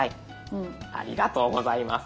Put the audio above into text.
ありがとうございます。